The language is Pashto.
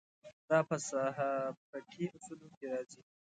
دا په صحافتي اصولو کې راځي.